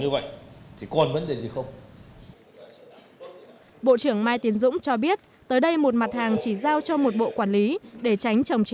vì vậy bộ trưởng mai tiến dũng cho biết tới đây một mặt hàng chỉ giao cho một bộ quản lý để tránh trồng chéo